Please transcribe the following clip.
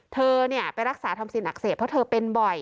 เธอไปรักษาทำซินอักเสบเพราะเธอเป็นบ่อย